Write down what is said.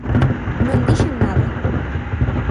Non dixen nada.